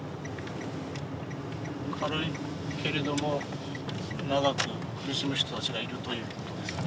軽いけれども長く苦しむ人たちがいるということですか？